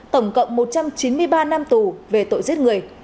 tổng cộng một trăm chín mươi ba năm tù về tội giết người